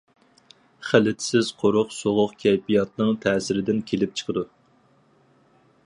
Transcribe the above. خىلىتسىز قۇرۇق سوغۇق كەيپىياتنىڭ تەسىرىدىن كېلىپ چىقىدۇ.